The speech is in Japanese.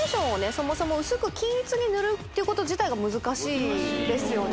そもそも薄く均一に塗るっていうこと自体が難しいんですよね